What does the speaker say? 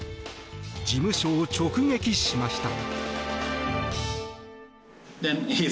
事務所を直撃しました。